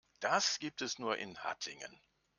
Das gibt es nur in Hattingen